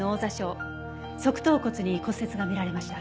側頭骨に骨折が見られました。